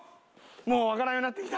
もうわからんようになってきた。